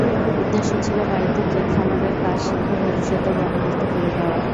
উদ্দেশ্য ছিল বাড়িতে ক্ষেত-খামারের কাজ শিখিয়ে ভবিষ্যতের বন্দোবস্ত করে দেওয়া।